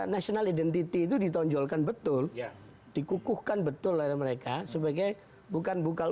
national identity itu ditonjolkan betul dikukuhkan betul oleh mereka sebagai bukan bukan